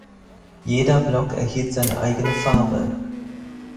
Jeder Block erhielt seine eigene Farbe.